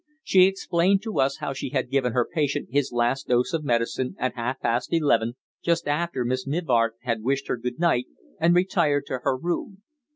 She explained to us how she had given her patient his last dose of medicine at half past eleven, just after Miss Mivart had wished her good night and retired to her room.